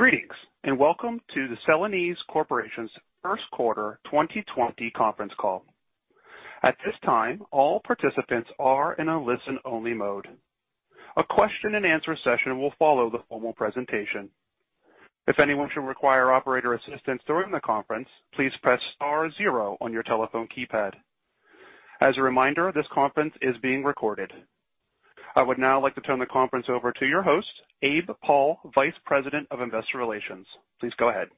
Greetings, and welcome to the Celanese Corporation's first quarter 2020 conference call. At this time, all participants are in a listen-only mode. A question-and-answer session will follow the formal presentation. If anyone should require operator assistance during the conference, please press star zero on your telephone keypad. As a reminder, this conference is being recorded. I would now like to turn the conference over to your host, Abe Paul, Vice President of Investor Relations. Please go ahead.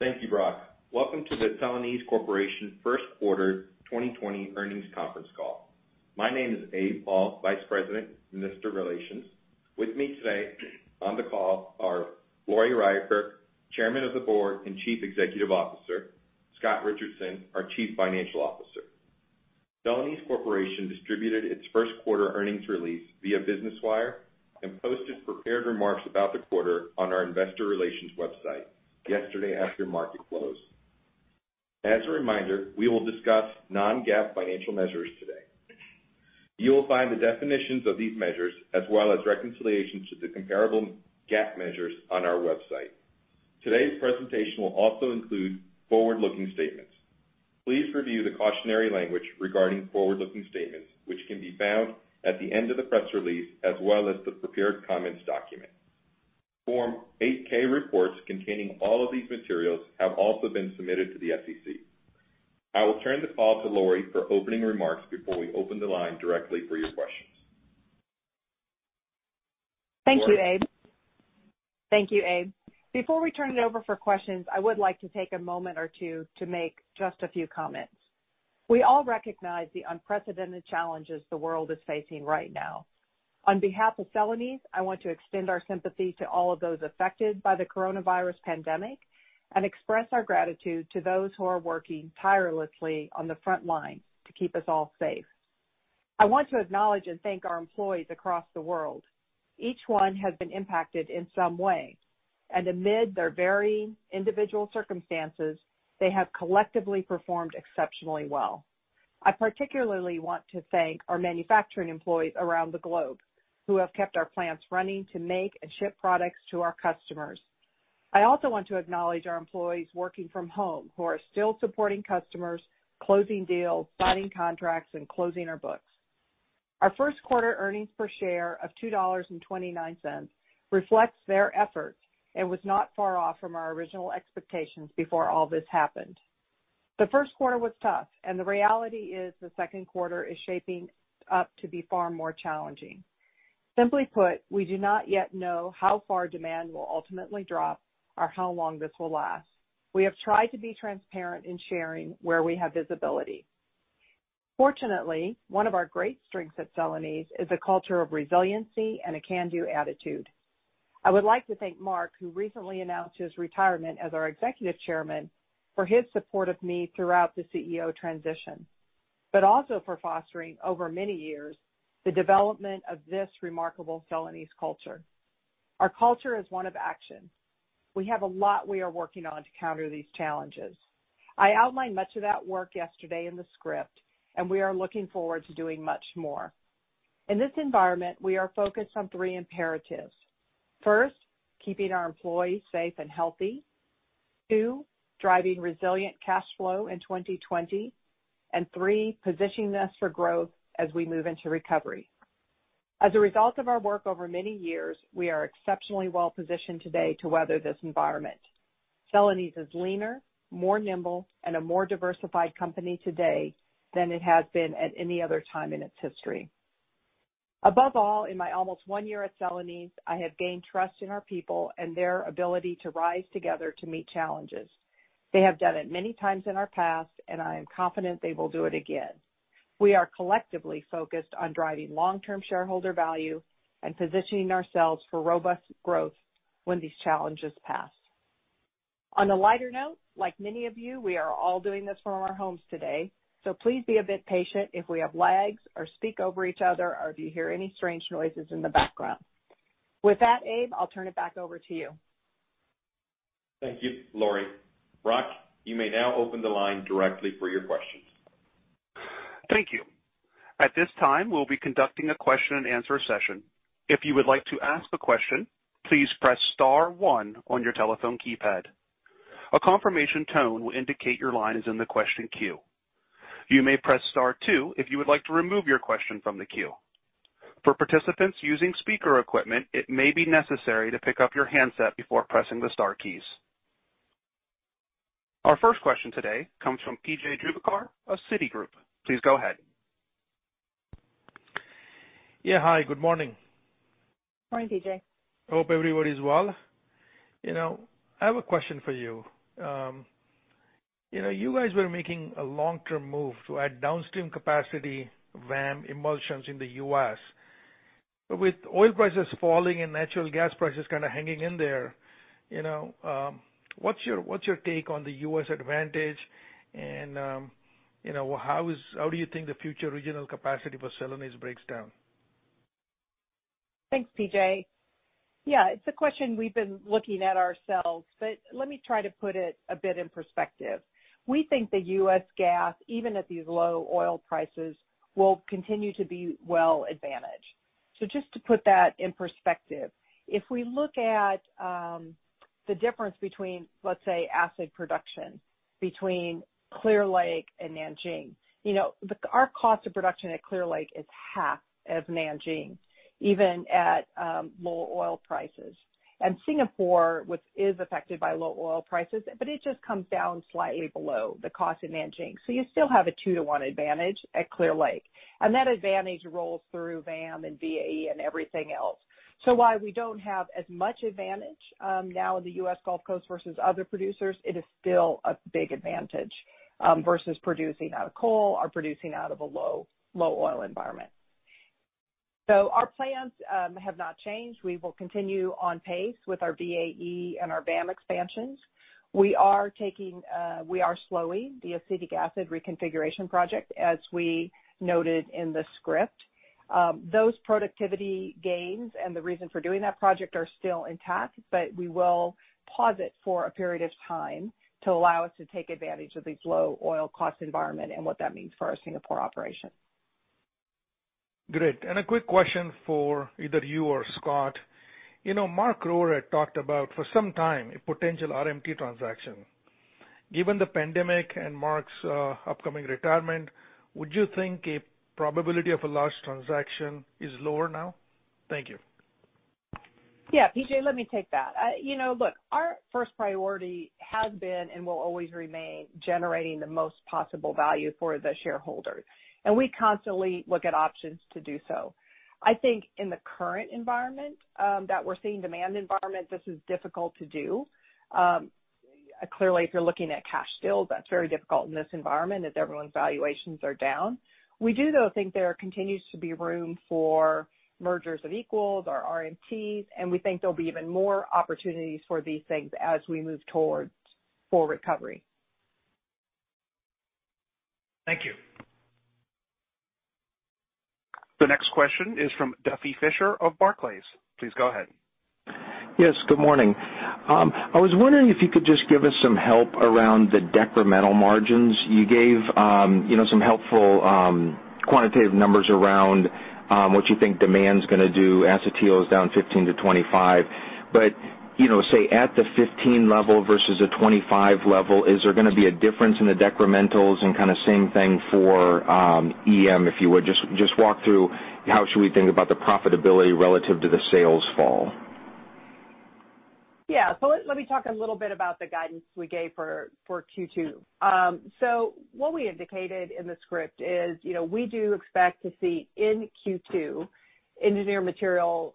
Thank you, Brock. Welcome to the Celanese Corporation first quarter 2020 earnings conference call. My name is Abe Paul, Vice President, Investor Relations. With me today on the call are Lori Ryerkerk, Chairman of the Board and Chief Executive Officer, Scott Richardson, our Chief Financial Officer. Celanese Corporation distributed its first quarter earnings release via Business Wire and posted prepared remarks about the quarter on our investor relations website yesterday after market close. As a reminder, we will discuss non-GAAP financial measures today. You will find the definitions of these measures as well as reconciliations to the comparable GAAP measures on our website. Today's presentation will also include forward-looking statements. Please review the cautionary language regarding forward-looking statements, which can be found at the end of the press release as well as the prepared comments document. Form 8-K reports containing all of these materials have also been submitted to the SEC. I will turn the call to Lori for opening remarks before we open the line directly for your questions. Lori? Thank you, Abe. Before we turn it over for questions, I would like to take a moment or two to make just a few comments. We all recognize the unprecedented challenges the world is facing right now. On behalf of Celanese, I want to extend our sympathy to all of those affected by the coronavirus pandemic and express our gratitude to those who are working tirelessly on the front line to keep us all safe. I want to acknowledge and thank our employees across the world. Each one has been impacted in some way, and amid their varying individual circumstances, they have collectively performed exceptionally well. I particularly want to thank our manufacturing employees around the globe who have kept our plants running to make and ship products to our customers. I also want to acknowledge our employees working from home who are still supporting customers, closing deals, signing contracts, and closing our books. Our first quarter earnings per share of $2.29 reflects their effort and was not far off from our original expectations before all this happened. The first quarter was tough, and the reality is the second quarter is shaping up to be far more challenging. Simply put, we do not yet know how far demand will ultimately drop or how long this will last. We have tried to be transparent in sharing where we have visibility. Fortunately, one of our great strengths at Celanese is a culture of resiliency and a can-do attitude. I would like to thank Mark, who recently announced his retirement as our executive chairman, for his support of me throughout the CEO transition, but also for fostering over many years the development of this remarkable Celanese culture. Our culture is one of action. We have a lot we are working on to counter these challenges. I outlined much of that work yesterday in the script, and we are looking forward to doing much more. In this environment, we are focused on three imperatives. First, keeping our employees safe and healthy. Two, driving resilient cash flow in 2020, and three, positioning us for growth as we move into recovery. As a result of our work over many years, we are exceptionally well-positioned today to weather this environment. Celanese is leaner, more nimble, and a more diversified company today than it has been at any other time in its history. Above all, in my almost one year at Celanese, I have gained trust in our people and their ability to rise together to meet challenges. They have done it many times in our past, and I am confident they will do it again. We are collectively focused on driving long-term shareholder value and positioning ourselves for robust growth when these challenges pass. On a lighter note, like many of you, we are all doing this from our homes today, so please be a bit patient if we have lags or speak over each other or if you hear any strange noises in the background. With that, Abe, I'll turn it back over to you. Thank you, Lori. Brock, you may now open the line directly for your questions. Thank you. At this time, we'll be conducting a question-and-answer session. If you would like to ask a question, please press star one on your telephone keypad. A confirmation tone will indicate your line is in the question queue. You may press star two if you would like to remove your question from the queue. For participants using speaker equipment, it may be necessary to pick up your handset before pressing the star keys. Our first question today comes from P.J. Juvekar of Citigroup. Please go ahead. Yeah. Hi, good morning. Morning, P.J. Hope everybody's well. I have a question for you. You guys were making a long-term move to add downstream capacity VAM emulsions in the U.S. With oil prices falling and natural gas prices kind of hanging in there, what's your take on the U.S. advantage, and how do you think the future regional capacity for Celanese breaks down? Thanks, P.J. Yeah, it's a question we've been looking at ourselves, but let me try to put it a bit in perspective. We think that U.S. gas, even at these low oil prices, will continue to be well-advantaged. Just to put that in perspective, if we look at the difference between, let's say, acetic acid production between Clear Lake and Nanjing, our cost of production at Clear Lake is half of Nanjing, even at low oil prices, and Singapore, which is affected by low oil prices, but it just comes down slightly below the cost of Nanjing. You still have a two-to-one advantage at Clear Lake, and that advantage rolls through VAM and VAE and everything else. While we don't have as much advantage now in the U.S. Gulf Coast versus other producers, it is still a big advantage versus producing out of coal or producing out of a low oil environment. Our plans have not changed. We will continue on pace with our VAE and our VAM expansions. We are slowing the acetic acid reconfiguration project, as we noted in the script. Those productivity gains and the reason for doing that project are still intact, but we will pause it for a period of time to allow us to take advantage of the low oil cost environment and what that means for our Singapore operation. Great. A quick question for either you or Scott. Mark Rohr talked about, for some time, a potential RMT transaction. Given the pandemic and Mark's upcoming retirement, would you think a probability of a large transaction is lower now? Thank you. Yeah. P.J., let me take that. Our first priority has been and will always remain generating the most possible value for the shareholders. We constantly look at options to do so. I think in the current environment that we're seeing, demand environment, this is difficult to do. If you're looking at cash deals, that's very difficult in this environment as everyone's valuations are down. We do, though, think there continues to be room for mergers of equals or RMTs. We think there'll be even more opportunities for these things as we move towards full recovery. Thank you. The next question is from Duffy Fischer of Barclays. Please go ahead. Yes, good morning. I was wondering if you could just give us some help around the decremental margins. You gave some helpful quantitative numbers around what you think demand's going to do. Acetyl is down 15%-25%. Say, at the 15 level versus a 25 level, is there going to be a difference in the decrementals and kind of same thing for EM, if you would? Just walk through how should we think about the profitability relative to the sales fall. Yeah. Let me talk a little bit about the guidance we gave for Q2. What we indicated in the script is we do expect to see in Q2 engineered material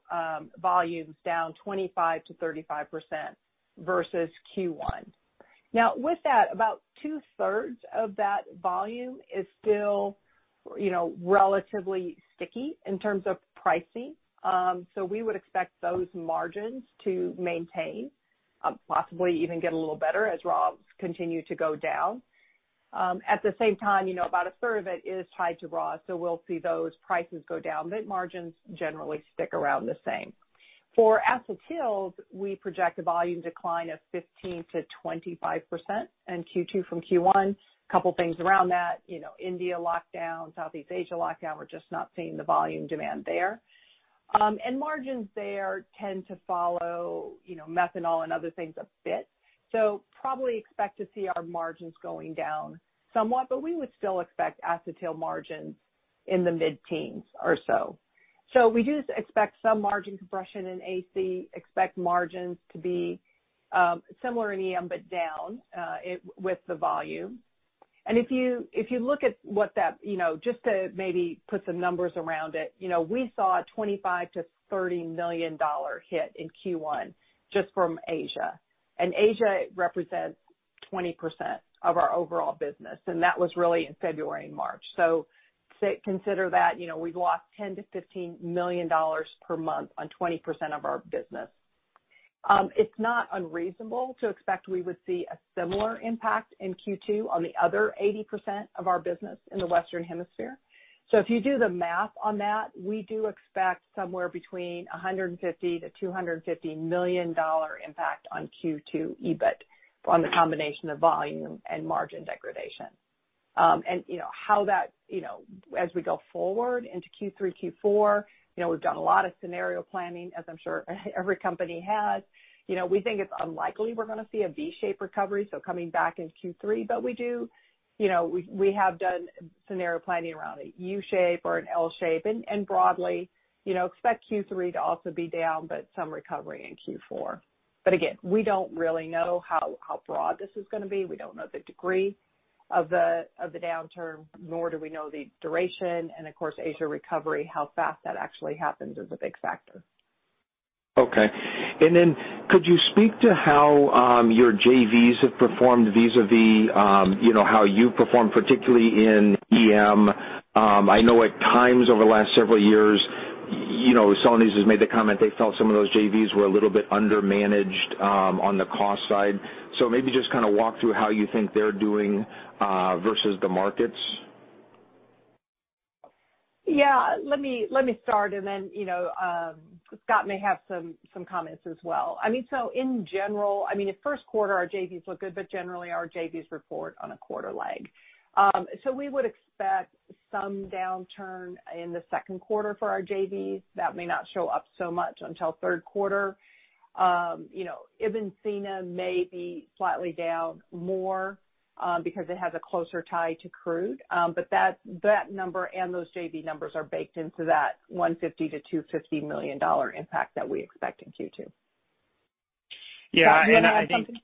volumes down 25%-35% versus Q1. With that, about two-thirds of that volume is still relatively sticky in terms of pricing. We would expect those margins to maintain, possibly even get a little better as raws continue to go down. At the same time, about a third of it is tied to raw, so we'll see those prices go down, but margins generally stick around the same. For acetyls, we project a volume decline of 15%-25% in Q2 from Q1. Couple things around that. India lockdown, Southeast Asia lockdown. We're just not seeing the volume demand there. Margins there tend to follow methanol and other things a bit. Probably expect to see our margins going down somewhat, but we would still expect acetyl margins in the mid-teens or so. We do expect some margin compression in AC, expect margins to be similar in EM, but down with the volume. Just to maybe put some numbers around it. We saw a $25 million-$30 million hit in Q1 just from Asia, and Asia represents 20% of our overall business, and that was really in February and March. Consider that we've lost $10 million-$15 million per month on 20% of our business. It's not unreasonable to expect we would see a similar impact in Q2 on the other 80% of our business in the Western hemisphere. If you do the math on that, we do expect somewhere between $150 million-$250 million impact on Q2 EBIT on the combination of volume and margin degradation. As we go forward into Q3-Q4, we've done a lot of scenario planning, as I'm sure every company has. We think it's unlikely we're going to see a V-shape recovery, so coming back in Q3. We have done scenario planning around a U-shape or an L-shape, and broadly expect Q3 to also be down, but some recovery in Q4. Again, we don't really know how broad this is going to be. We don't know the degree of the downturn, nor do we know the duration, and of course, Asia recovery, how fast that actually happens is a big factor. Okay. Could you speak to how your JVs have performed vis-a-vis how you've performed, particularly in EM? I know at times over the last several years, you know, Celanese has made the comment they felt some of those JVs were a little bit undermanaged on the cost side. Maybe just kind of walk through how you think they're doing versus the markets. Yeah. Let me start, and then Scott may have some comments as well. In general, in the first quarter our JVs looked good, but generally our JVs report on a quarter lag. We would expect some downturn in the second quarter for our JVs that may not show up so much until third quarter. Ibn Sina may be slightly down more because it has a closer tie to crude. That number and those JV numbers are baked into that $150 million-$250 million impact that we expect in Q2. Yeah. Do you want to add something?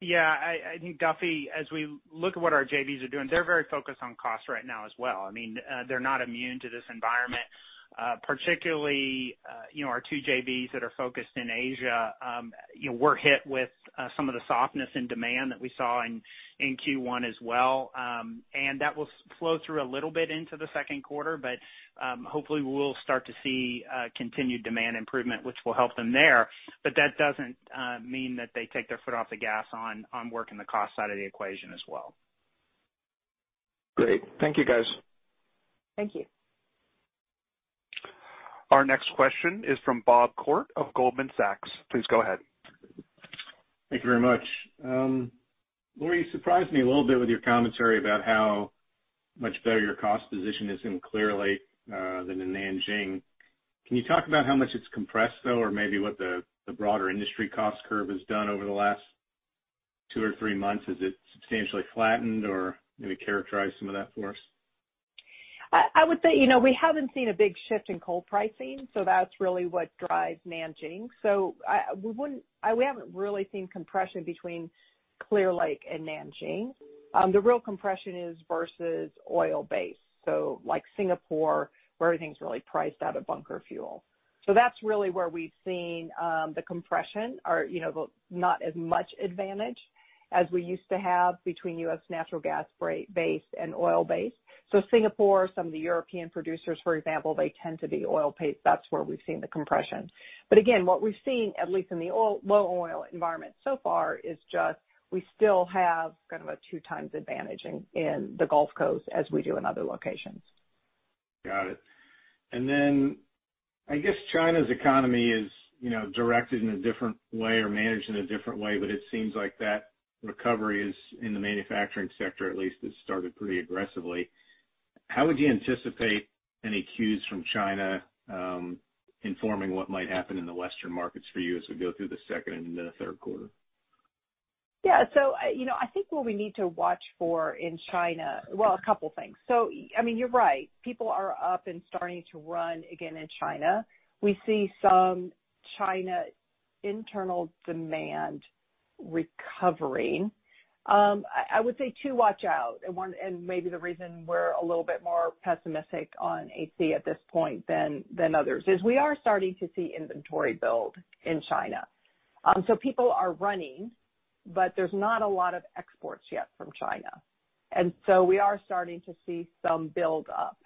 Yeah. I think, Duffy, as we look at what our JVs are doing, they're very focused on cost right now as well. They're not immune to this environment. Particularly, our two JVs that are focused in Asia were hit with some of the softness in demand that we saw in Q1 as well. That will flow through a little bit into the second quarter, but, hopefully we will start to see continued demand improvement, which will help them there. That doesn't mean that they take their foot off the gas on working the cost side of the equation as well. Great. Thank you, guys. Thank you. Our next question is from Bob Koort of Goldman Sachs. Please go ahead. Thank you very much. Lori, you surprised me a little bit with your commentary about how much better your cost position is in Clear Lake than in Nanjing. Can you talk about how much it's compressed, though, or maybe what the broader industry cost curve has done over the last two or three months? Has it substantially flattened or maybe characterize some of that for us? I would say, we haven't seen a big shift in coal pricing, that's really what drives Nanjing. We haven't really seen compression between Clear Lake and Nanjing. The real compression is versus oil base. Like Singapore, where everything's really priced out of bunker fuel. That's really where we've seen, the compression or the not as much advantage as we used to have between U.S. natural gas base and oil base. Singapore, some of the European producers, for example, they tend to be oil paid. That's where we've seen the compression. Again, what we've seen, at least in the low oil environment so far, is just we still have kind of a two times advantage in the Gulf Coast as we do in other locations. Got it. And then, I guess China's economy is directed in a different way or managed in a different way, but it seems like that recovery is in the manufacturing sector at least has started pretty aggressively. How would you anticipate any cues from China informing what might happen in the Western markets for you as we go through the second and into the third quarter? Yeah. I think what we need to watch for in China, well, a couple things. I mean, you're right. People are up and starting to run again in China. We see some China internal demand recovering. I would say two watch out, and maybe the reason we're a little bit more pessimistic on AC at this point than others is we are starting to see inventory build in China. People are running, but there's not a lot of exports yet from China. We are starting to see some build up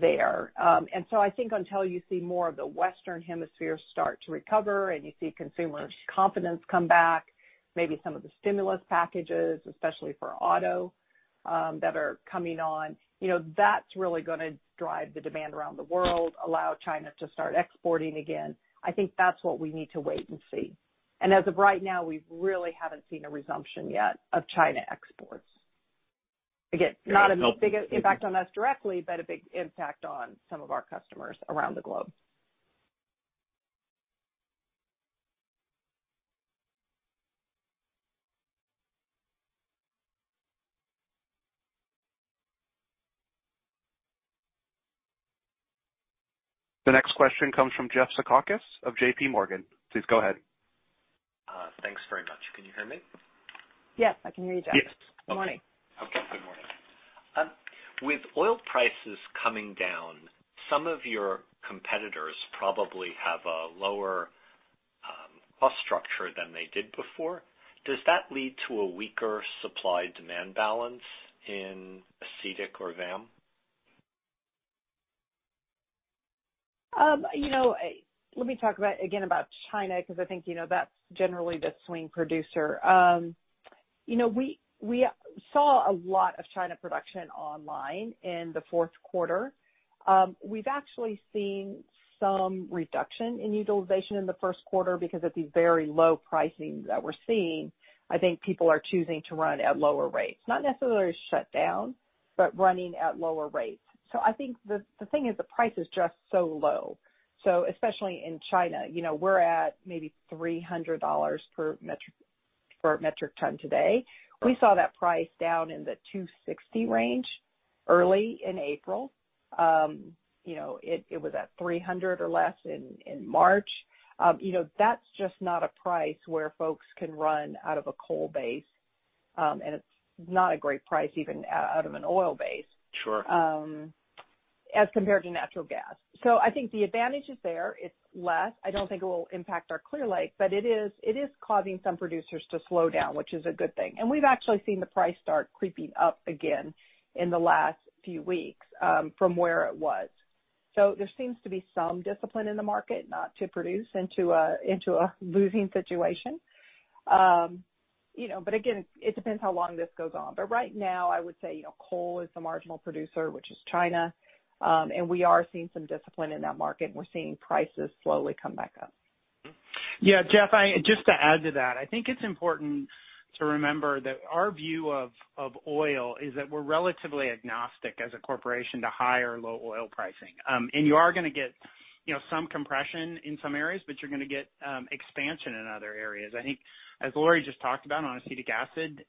there. I think until you see more of the Western Hemisphere start to recover and you see consumer confidence come back, maybe some of the stimulus packages, especially for auto, that are coming on, that's really going to drive the demand around the world, allow China to start exporting again. I think that's what we need to wait and see. As of right now, we really haven't seen a resumption yet of China exports. Again, not a big impact on us directly, but a big impact on some of our customers around the globe. The next question comes from Jeff Zekauskas of JPMorgan. Please go ahead. Thanks very much. Can you hear me? Yes, I can hear you, Jeff. Yes. Good morning. Okay. Good morning. With oil prices coming down, some of your competitors probably have a lower cost structure than they did before. Does that lead to a weaker supply-demand balance in acetic or VAM? You know, let me talk again about China, because I think, that's generally the swing producer. We saw a lot of China production online in the fourth quarter. We've actually seen some reduction in utilization in the first quarter because at the very low pricing that we're seeing, I think people are choosing to run at lower rates. Not necessarily shut down, but running at lower rates. I think the thing is the price is just so low. Especially in China, we're at maybe $300 per metric ton today. We saw that price down in the $260 range early in April. It was at $300 or less in March. That's just not a price where folks can run out of a coal base. It's not a great price even out of an oil base. Sure. As compared to natural gas. I think the advantage is there, it's less. I don't think it will impact our Clear Lake, but it is causing some producers to slow down, which is a good thing. We've actually seen the price start creeping up again in the last few weeks, from where it was. There seems to be some discipline in the market not to produce into a losing situation. Again, it depends how long this goes on. Right now, I would say, coal is the marginal producer, which is China. We are seeing some discipline in that market, and we're seeing prices slowly come back up. Yeah, Jeff, just to add to that, I think it's important to remember that our view of oil is that we're relatively agnostic as a Corporation to high or low oil pricing. You are going to get some compression in some areas, but you're going to get expansion in other areas. I think as Lori just talked about on acetic acid,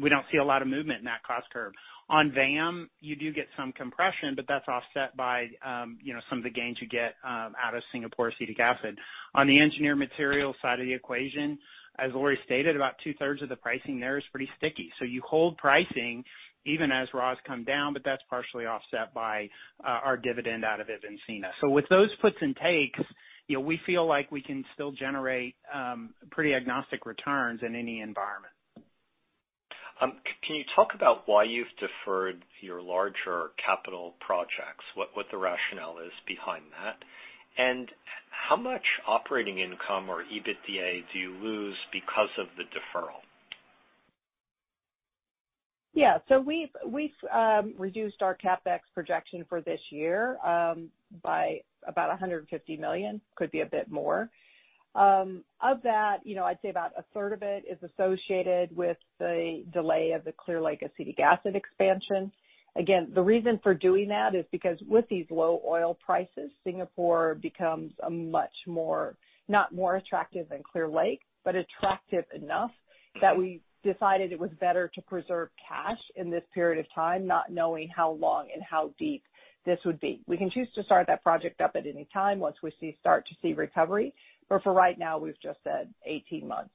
we don't see a lot of movement in that cost curve. On VAM, you do get some compression, but that's offset by some of the gains you get out of Singapore acetic acid. On the Engineered Materials side of the equation, as Lori stated, about two-thirds of the pricing there is pretty sticky. You hold pricing even as raws come down, but that's partially offset by our dividend out of Ibn Sina. With those puts and takes, we feel like we can still generate pretty agnostic returns in any environment. Can you talk about why you've deferred your larger capital projects, what the rationale is behind that? How much operating income or EBITDA do you lose because of the deferral? Yeah, so we've reduced our CapEx projection for this year by about $150 million, could be a bit more. Of that, I'd say about a third of it is associated with the delay of the Clear Lake acetic acid expansion. Again, the reason for doing that is because with these low oil prices, Singapore becomes a much more, not more attractive than Clear Lake, but attractive enough that we decided it was better to preserve cash in this period of time, not knowing how long and how deep this would be. We can choose to start that project up at any time once we start to see recovery. For right now, we've just said 18 months.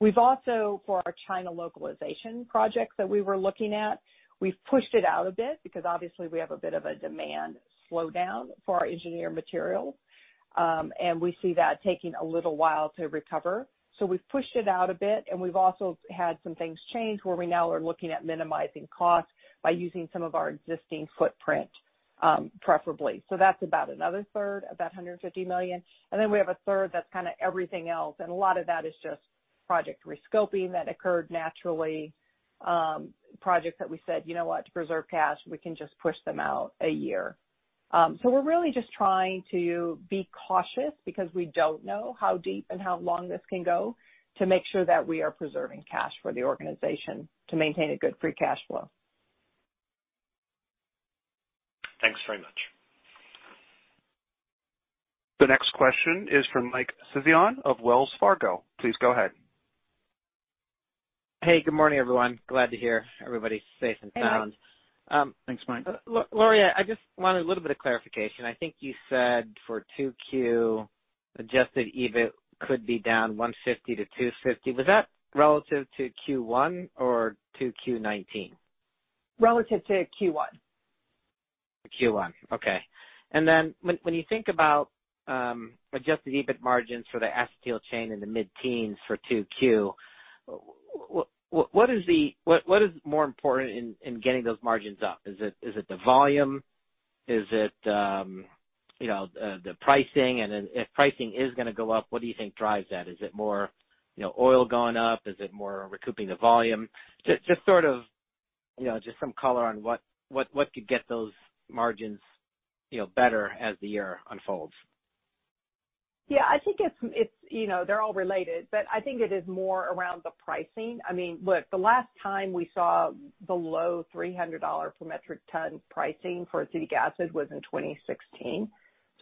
We've also, for our China localization project that we were looking at, we've pushed it out a bit because obviously we have a bit of a demand slowdown for our engineered materials. We see that taking a little while to recover. We've pushed it out a bit, and we've also had some things change where we now are looking at minimizing costs by using some of our existing footprint, preferably. That's about another third, about $150 million, and then we have a third that's kind of everything else, and a lot of that is just project rescoping that occurred naturally. Projects that we said, "You know what? To preserve cash, we can just push them out a year." We're really just trying to be cautious because we don't know how deep and how long this can go to make sure that we are preserving cash for the organization to maintain a good free cash flow. Thanks very much. The next question is from Mike Sison of Wells Fargo. Please go ahead. Hey, good morning, everyone. Glad to hear everybody's safe and sound. Hey, Mike. Thanks, Mike. Lori, I just wanted a little bit of clarification. I think you said for 2Q, adjusted EBIT could be down $150-$250. Was that relative to Q1 or to Q19? Relative to Q1. Q1. Okay. When you think about adjusted EBIT margins for the Acetyl Chain in the mid-teens for 2Q, what is more important in getting those margins up? Is it the volume? Is it the pricing? If pricing is going to go up, what do you think drives that? Is it more oil going up? Is it more recouping the volume? Just some color on what could get those margins better as the year unfolds. I think they're all related. I think it is more around the pricing. The last time we saw below $300 per metric ton pricing for acetic acid was in 2016.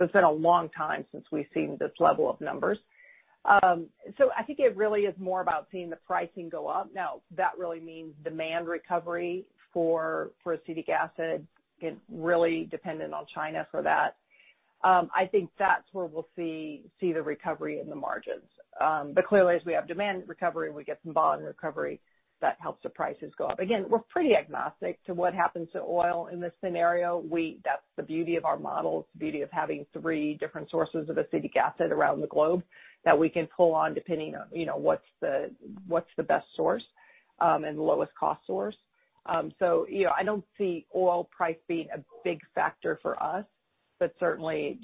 It's been a long time since we've seen this level of numbers. I think it really is more about seeing the pricing go up. That really means demand recovery for acetic acid, again, really dependent on China for that. I think that's where we'll see the recovery in the margins. Clearly, as we have demand recovery, we get some volume recovery that helps the prices go up. Again, we're pretty agnostic to what happens to oil in this scenario. That's the beauty of our model. It's the beauty of having three different sources of acetic acid around the globe that we can pull on depending on what's the best source, and the lowest cost source. I don't see oil price being a big factor for us, but certainly,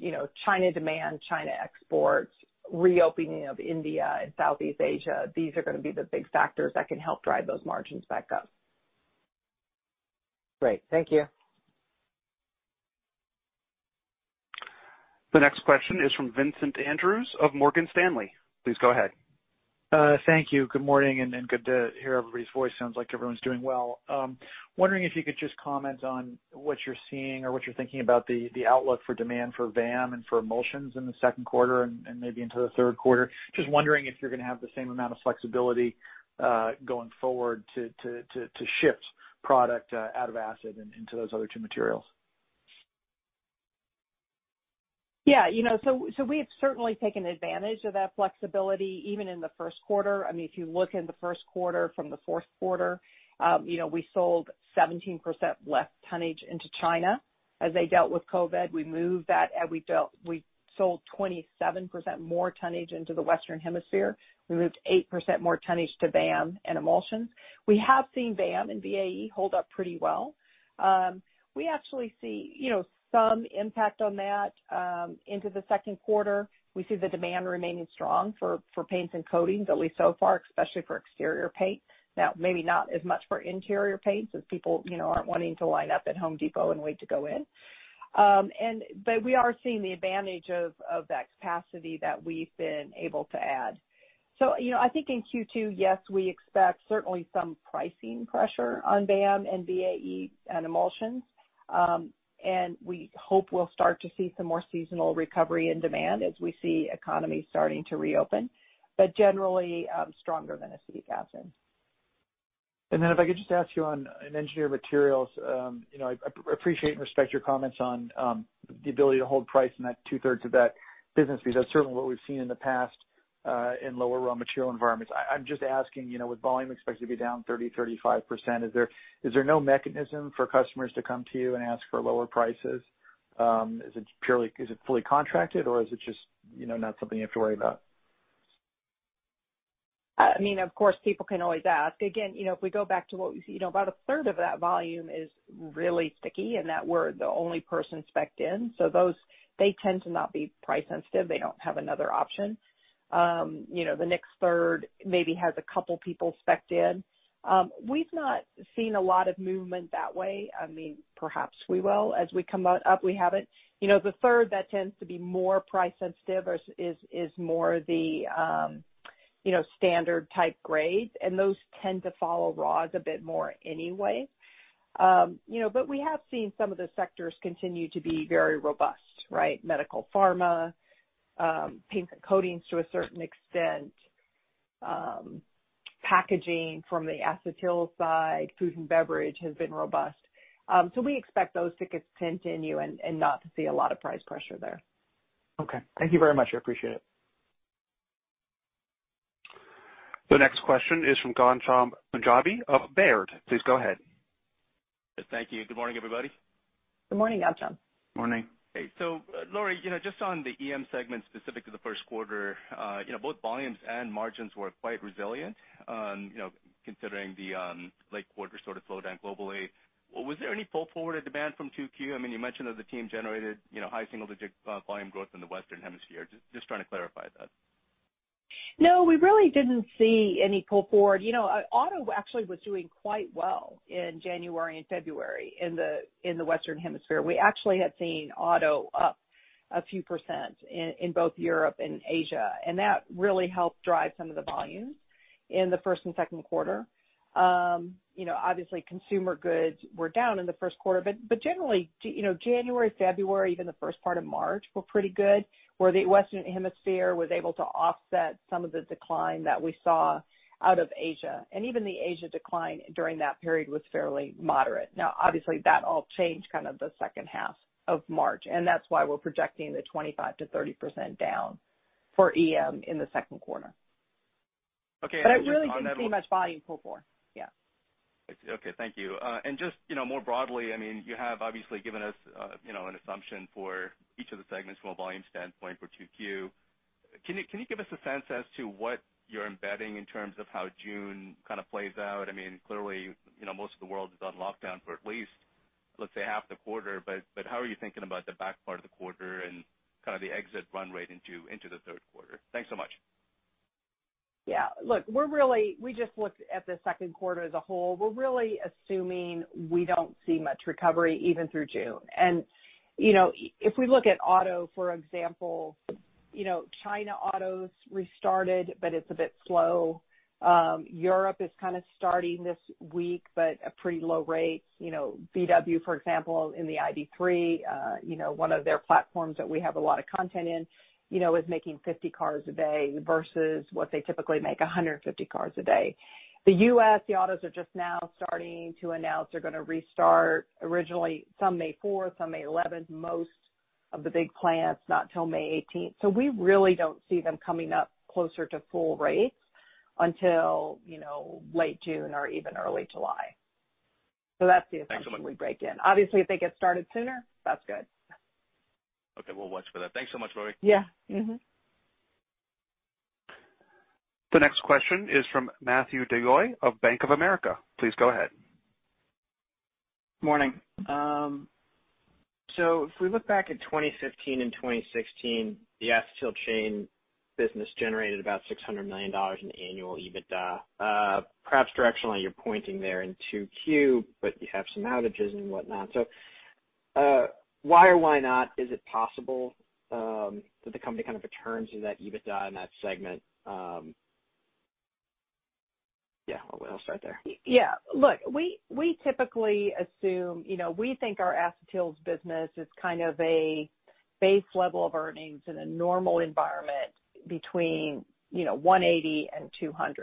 China demand, China exports, reopening of India and Southeast Asia, these are going to be the big factors that can help drive those margins back up. Great. Thank you. The next question is from Vincent Andrews of Morgan Stanley. Please go ahead. Thank you. Good morning. Good to hear everybody's voice. Sounds like everyone's doing well. I'm wondering if you could just comment on what you're seeing or what you're thinking about the outlook for demand for VAM and for emulsions in the second quarter and maybe into the third quarter. I'm just wondering if you're going to have the same amount of flexibility going forward to shift product out of acid and into those other two materials. Yeah. You know, we've certainly taken advantage of that flexibility even in the first quarter. If you look in the first quarter from the fourth quarter, we sold 17% less tonnage into China as they dealt with COVID-19. We moved that, we sold 27% more tonnage into the Western Hemisphere. We moved 8% more tonnage to VAM and emulsion. We have seen VAM and VAE hold up pretty well. We actually see some impact on that into the second quarter. We see the demand remaining strong for paints and coatings, at least so far, especially for exterior paint. Now, maybe not as much for interior paint, since people aren't wanting to line up at Home Depot and wait to go in. We are seeing the advantage of the extra capacity that we've been able to add. I think in Q2, yes, we expect certainly some pricing pressure on VAM and VAE and emulsions. We hope we'll start to see some more seasonal recovery in demand as we see economies starting to reopen. Generally, stronger than acetic acid. If I could just ask you on Engineered Materials. I appreciate and respect your comments on the ability to hold price in that two-thirds of that business because that's certainly what we've seen in the past, in lower raw material environments. I'm just asking, with volume expected to be down 30%-35%, is there no mechanism for customers to come to you and ask for lower prices? Is it fully contracted or is it just not something you have to worry about? If we go back to what we see, about a third of that volume is really sticky and that we're the only person specced in. Those, they tend to not be price sensitive. They don't have another option. The next third maybe has a couple people specced in. We've not seen a lot of movement that way. Perhaps we will as we come up. We haven't. The third that tends to be more price sensitive is more the standard type grades, and those tend to follow raws a bit more anyway. We have seen some of the sectors continue to be very robust, right? Medical pharma, paints and coatings to a certain extent, packaging from the acetyl side, food and beverage has been robust. We expect those to continue and not to see a lot of price pressure there. Okay. Thank you very much. I appreciate it. The next question is from Ghansham Panjabi of Baird. Please go ahead. Thank you. Good morning, everybody. Good morning, Ghansham. Morning. Hey. Lori, just on the EM segment specific to the first quarter, both volumes and margins were quite resilient, considering the late quarter sort of slowdown globally. Was there any pull-forward demand from 2Q? You mentioned that the team generated high single-digit volume growth in the Western Hemisphere. Just trying to clarify that. No, we really didn't see any pull-forward. Auto actually was doing quite well in January and February in the Western Hemisphere. That really helped drive some of the volumes in the first and second quarter. Obviously, consumer goods were down in the first quarter, generally, January, February, even the first part of March were pretty good, where the Western Hemisphere was able to offset some of the decline that we saw out of Asia. Even the Asia decline during that period was fairly moderate. Obviously, that all changed kind of the second half of March, that's why we're projecting the 25%-30% down for EM in the second quarter. Okay. I really didn't see much volume pull forward. Yeah. Okay. Thank you. Just more broadly, you have obviously given us an assumption for each of the segments from a volume standpoint for 2Q. Can you give us a sense as to what you're embedding in terms of how June kind of plays out? Clearly, most of the world is on lockdown for at least, let's say, half the quarter, but how are you thinking about the back part of the quarter and kind of the exit run rate into the third quarter? Thanks so much. Yeah. Look, we just looked at the second quarter as a whole. We're really assuming we don't see much recovery even through June. If we look at auto, for example, China autos restarted, but it's a bit slow. Europe is kind of starting this week, but at pretty low rates. Volkswagen, for example, in the ID.3, one of their platforms that we have a lot of content in, is making 50 cars a day versus what they typically make, 150 cars a day. The U.S., the autos are just now starting to announce they're going to restart originally some May 4th, some May 11th, most of the big plants not till May 18th. We really don't see them coming up closer to full rates until late June or even early July. That's the assumption we break in. Thanks so much. Obviously, if they get started sooner, that's good. Okay. We'll watch for that. Thanks so much, Lori. Yeah. Mm-hmm. The next question is from Matthew DeYoe of Bank of America. Please go ahead. Morning. If we look back at 2015 and 2016, the Acetyl Chain business generated about $600 million in annual EBITDA. Perhaps directionally, you're pointing there in 2Q, but you have some outages and whatnot. Why or why not is it possible that the company kind of returns to that EBITDA in that segment? Yeah, I'll start there. Look, we think our Acetyl Chain business is kind of a base level of earnings in a normal environment between $180 million and $200 million.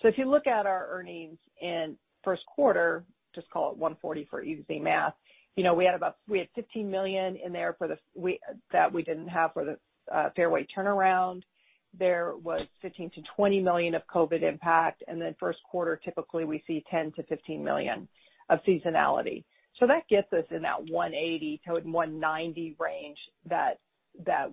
If you look at our earnings in first quarter, just call it $140 million for easy math, we had $15 million in there that we didn't have for the Fairway turnaround. There was $15 million-$20 million of COVID impact. First quarter, typically we see $10 million-$15 million of seasonality. That gets us in that $180 million-$190 million range that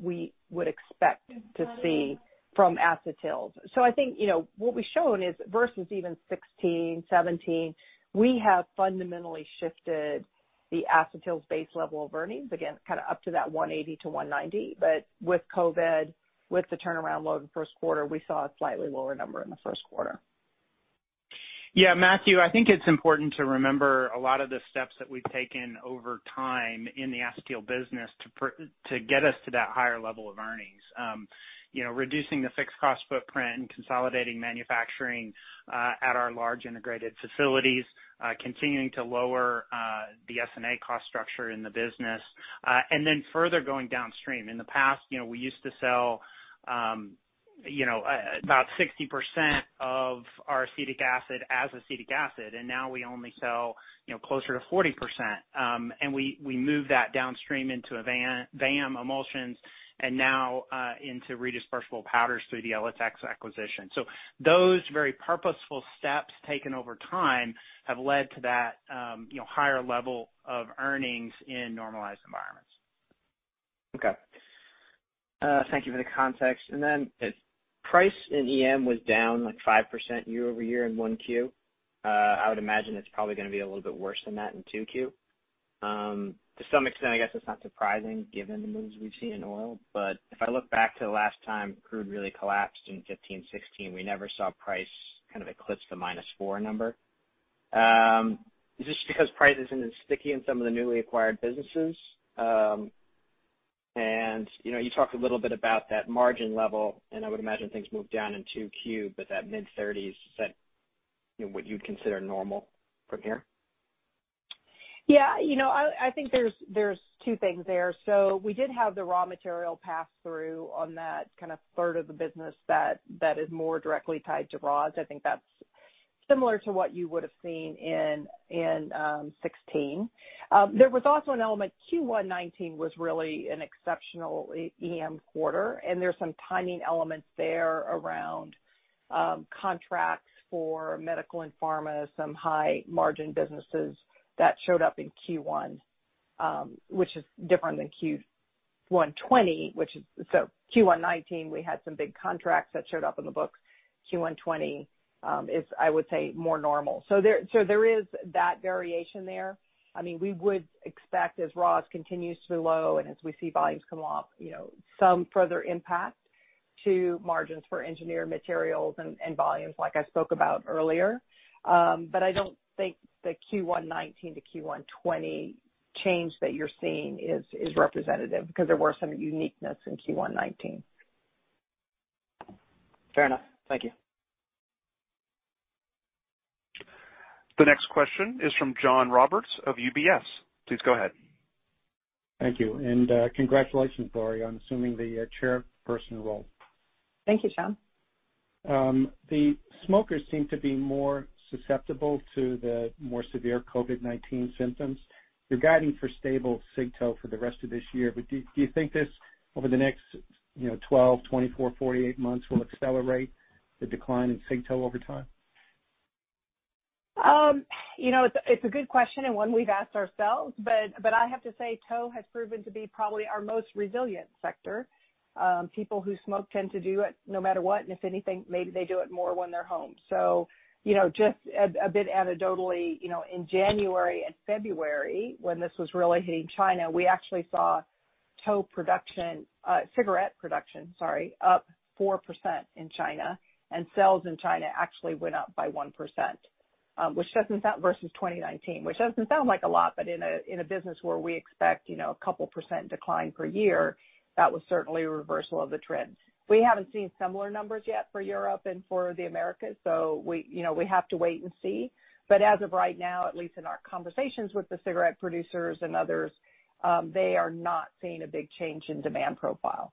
we would expect to see from Acetyl Chain. I think what we've shown is versus even 2016-2017, we have fundamentally shifted the Acetyl Chain base level of earnings, again, kind of up to that $180 million-$190 million. With COVID, with the turnaround load in the first quarter, we saw a slightly lower number in the first quarter. Yeah, Matthew, I think it's important to remember a lot of the steps that we've taken over time in the acetyl business to get us to that higher level of earnings. Reducing the fixed cost footprint and consolidating manufacturing at our large integrated facilities, continuing to lower the SG&A cost structure in the business. Further going downstream. In the past, we used to sell about 60% of our acetic acid as acetic acid, and now we only sell closer to 40%. We move that downstream into VAM emulsions and now into redispersible powders through the Elotex acquisition. Those very purposeful steps taken over time have led to that higher level of earnings in normalized environments. Okay. Thank you for the context. Price in EM was down 5% year-over-year in 1Q. I would imagine it's probably going to be a little bit worse than that in 2Q. To some extent, I guess it's not surprising given the moves we've seen in oil. If I look back to the last time crude really collapsed in 2015-2016, we never saw price eclipse the -4 number. Is this just because price isn't as sticky in some of the newly acquired businesses? You talked a little bit about that margin level, and I would imagine things move down in 2Q, but that mid-30s, is that what you'd consider normal from here? I think there's two things there. We did have the raw material pass through on that third of the business that is more directly tied to raws. I think that's similar to what you would have seen in 2016. There was also an element, Q1 2019 was really an exceptional EM quarter, and there's some timing elements there around contracts for medical and pharma, some high margin businesses that showed up in Q1, which is different than Q1 2020. Q1 2019, we had some big contracts that showed up in the books. Q1 2020 is, I would say, more normal. There is that variation there. We would expect as raws continues to be low and as we see volumes come off, some further impact to margins for engineered materials and volumes like I spoke about earlier. I don't think the Q1 2019 to Q1 2020 change that you're seeing is representative because there were some uniqueness in Q1 2019. Fair enough. Thank you. The next question is from John Roberts of UBS. Please go ahead. Thank you, congratulations, Lori, on assuming the chairperson role. Thank you, John. The smokers seem to be more susceptible to the more severe COVID-19 symptoms. Do you think this over the next 12, 24, 48 months will accelerate the decline in cigarette tow over time? It's a good question and one we've asked ourselves, but I have to say tow has proven to be probably our most resilient sector. People who smoke tend to do it no matter what, and if anything, maybe they do it more when they're home. Just a bit anecdotally, in January and February, when this was really hitting China, we actually saw cigarette production up 4% in China, and sales in China actually went up by 1%, versus 2019. Which doesn't sound like a lot, but in a business where we expect a couple percent decline per year, that was certainly a reversal of the trend. We haven't seen similar numbers yet for Europe and for the Americas, so we have to wait and see. As of right now, at least in our conversations with the cigarette producers and others, they are not seeing a big change in demand profile.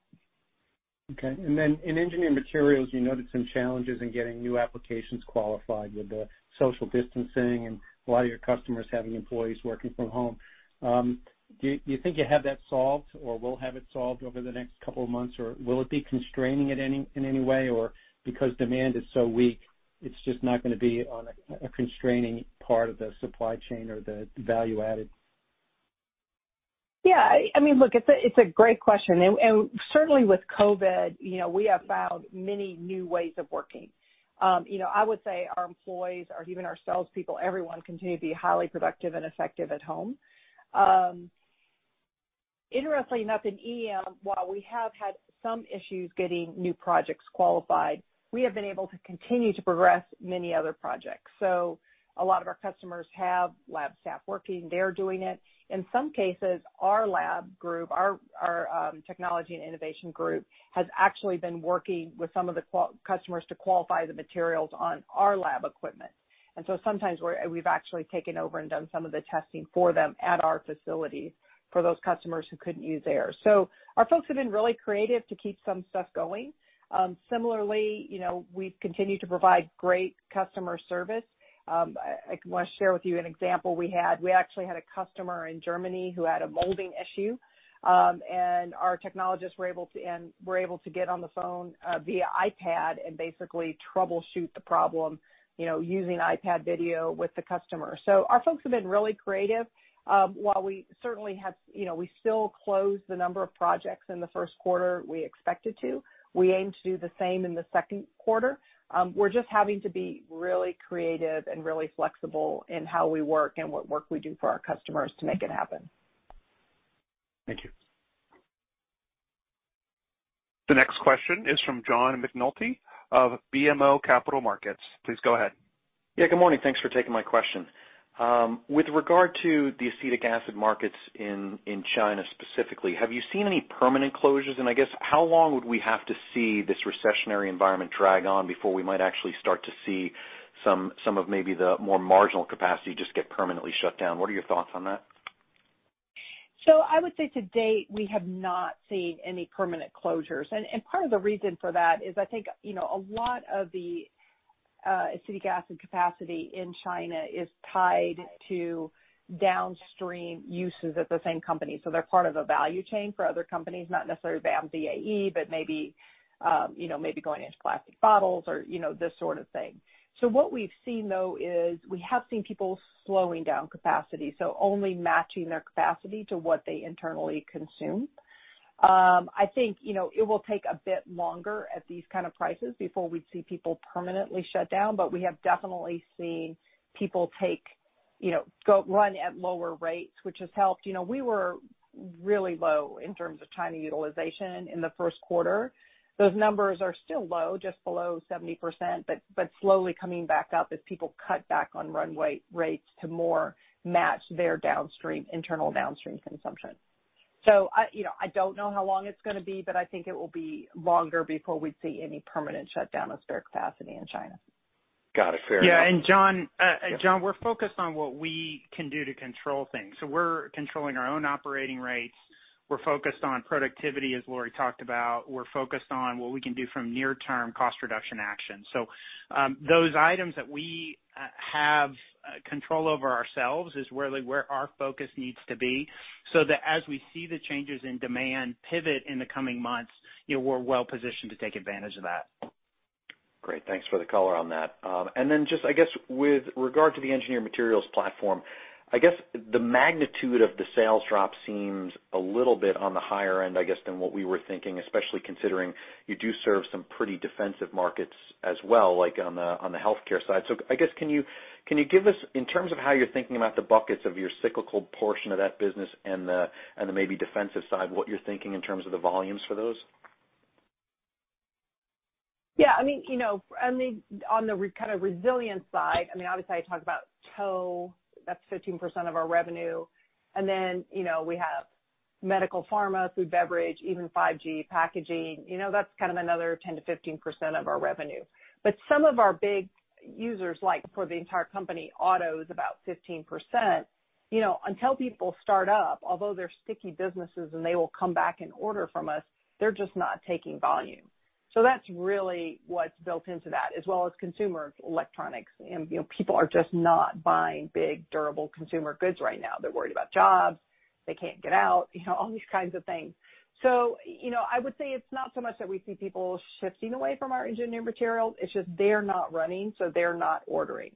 Okay. In engineered materials, you noted some challenges in getting new applications qualified with the social distancing and a lot of your customers having employees working from home. Do you think you have that solved or will have it solved over the next couple of months, or will it be constraining in any way, or because demand is so weak, it's just not going to be on a constraining part of the supply chain or the value added? Yeah, I mean, it's a great question. Certainly with COVID, we have found many new ways of working. I would say our employees or even our salespeople, everyone continue to be highly productive and effective at home. Interestingly enough, in EM, while we have had some issues getting new projects qualified, we have been able to continue to progress many other projects. A lot of our customers have lab staff working. They're doing it. In some cases, our lab group, our technology and innovation group, has actually been working with some of the customers to qualify the materials on our lab equipment. Sometimes we've actually taken over and done some of the testing for them at our facility for those customers who couldn't use theirs. Our folks have been really creative to keep some stuff going. Similarly, we've continued to provide great customer service. I want to share with you an example we had. We actually had a customer in Germany who had a molding issue, and our technologists were able to get on the phone via iPad and basically troubleshoot the problem using iPad video with the customer. Our folks have been really creative. While we still closed the number of projects in the first quarter we expected to, we aim to do the same in the second quarter. We're just having to be really creative and really flexible in how we work and what work we do for our customers to make it happen. Thank you. The next question is from John McNulty of BMO Capital Markets. Please go ahead. Yeah, good morning. Thanks for taking my question. With regard to the acetic acid markets in China specifically, have you seen any permanent closures? I guess, how long would we have to see this recessionary environment drag on before we might actually start to see some of maybe the more marginal capacity just get permanently shut down? What are your thoughts on that? I would say to date, we have not seen any permanent closures. Part of the reason for that is I think, a lot of the acetic acid capacity in China is tied to downstream uses at the same company. They're part of a value chain for other companies, not necessarily VAE, but maybe going into plastic bottles or this sort of thing. What we've seen, though, is we have seen people slowing down capacity, so only matching their capacity to what they internally consume. I think, it will take a bit longer at these kind of prices before we'd see people permanently shut down. We have definitely seen people run at lower rates, which has helped. We were really low in terms of China utilization in the first quarter. Those numbers are still low, just below 70%, but slowly coming back up as people cut back on run rates to more match their internal downstream consumption. I don't know how long it's going to be, but I think it will be longer before we'd see any permanent shutdown of spare capacity in China. Got it. Fair enough. John, we're focused on what we can do to control things. We're controlling our own operating rates. We're focused on productivity, as Lori talked about. We're focused on what we can do from near-term cost reduction actions. Those items that we have control over ourselves is really where our focus needs to be, so that as we see the changes in demand pivot in the coming months, we're well positioned to take advantage of that. Great. Thanks for the color on that. Just, I guess, with regard to the Engineered Materials platform, I guess the magnitude of the sales drop seems a little bit on the higher end, I guess, than what we were thinking, especially considering you do serve some pretty defensive markets as well, like on the healthcare side. I guess, can you give us, in terms of how you're thinking about the buckets of your cyclical portion of that business and the maybe defensive side, what you're thinking in terms of the volumes for those? Yeah. I mean, you know, on the kind of resilience side, obviously I talk about tow, that's 15% of our revenue. Then, we have medical pharma, food, beverage, even 5G packaging. That's kind of another 10%-15% of our revenue. Some of our big users, like for the entire company, auto is about 15%. Until people start up, although they're sticky businesses and they will come back and order from us, they're just not taking volume. That's really what's built into that, as well as consumer electronics. People are just not buying big, durable consumer goods right now. They're worried about jobs. They can't get out, all these kinds of things. I would say it's not so much that we see people shifting away from our engineering materials, it's just they're not running, so they're not ordering.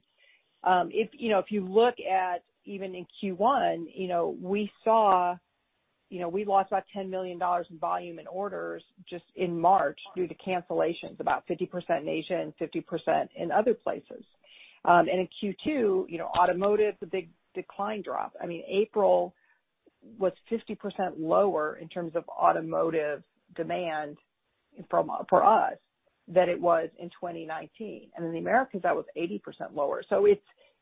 If you look at even in Q1, we lost about $10 million in volume in orders just in March due to cancellations, about 50% in Asia and 50% in other places. In Q2, automotive, the big decline drop. April was 50% lower in terms of automotive demand for us than it was in 2019. In the Americas, that was 80% lower.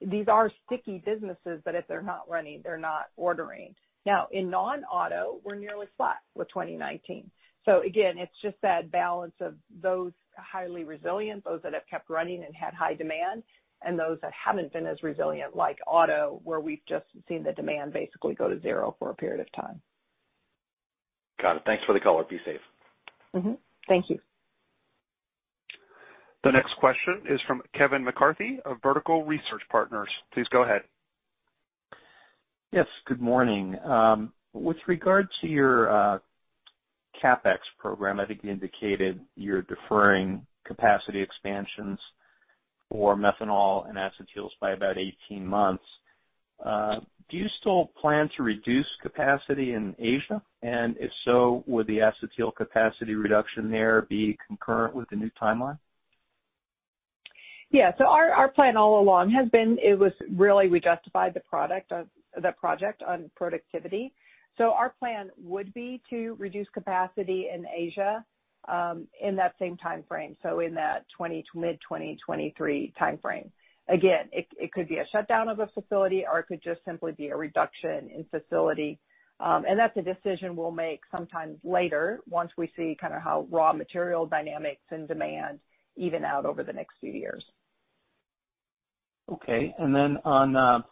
These are sticky businesses, but if they're not running, they're not ordering. Now, in non-auto, we're nearly flat with 2019. Again, it's just that balance of those highly resilient, those that have kept running and had high demand, and those that haven't been as resilient, like auto, where we've just seen the demand basically go to zero for a period of time. Got it. Thanks for the color. Be safe. Mm-hmm. Thank you. The next question is from Kevin McCarthy of Vertical Research Partners. Please go ahead. Yes, good morning. With regard to your CapEx program, I think you indicated you're deferring capacity expansions for methanol and acetyls by about 18 months. Do you still plan to reduce capacity in Asia? If so, would the acetyl capacity reduction there be concurrent with the new timeline? Yeah. Our plan all along has been, we justified the project on productivity. Our plan would be to reduce capacity in Asia, in that same time frame, so in that mid-2023 timeframe. Again, it could be a shutdown of a facility or it could just simply be a reduction in facility. That's a decision we'll make sometime later once we see kind of how raw material dynamics and demand even out over the next few years. Okay. On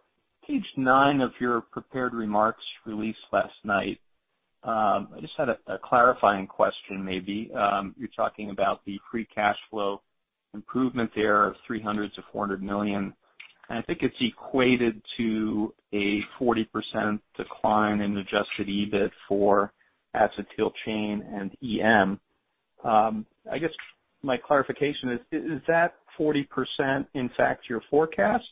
page nine of your prepared remarks released last night, I just had a clarifying question maybe. You're talking about the free cash flow improvement there of $300 million-$400 million. I think it's equated to a 40% decline in Adjusted EBIT for Acetyl Chain and EM. I guess my clarification is that 40% in fact your forecast,